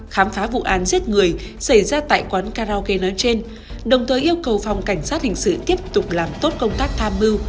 khám phá vụ án giết người xảy ra tại quán karaoke nói trên đồng thời yêu cầu phòng cảnh sát hình sự tiếp tục làm tốt công tác tham mưu